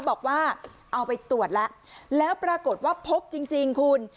บอกว่าเอาไปตรวจแล้วแล้วปรากฏว่าพบจริงคุณ